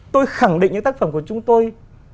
tôi khẳng định những tác phẩm của chúng tôi